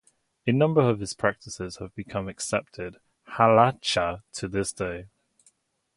A number of his practices have become accepted halacha to this day.